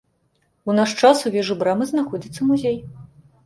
У наш час у вежы брамы знаходзіцца музей.